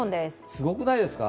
すごくないですか？